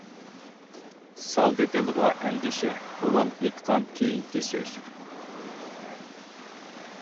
سالدى دىلغا ئەندىشە، بوۋام ئېيتقان كېيىنكى سۆز.